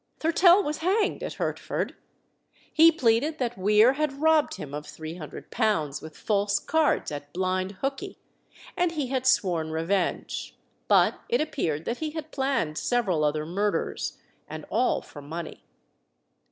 Thurtell was hanged at Hertford. He pleaded that Weare had robbed him of £300 with false cards at Blind Hookey, and he had sworn revenge; but it appeared that he had planned several other murders, and all for money.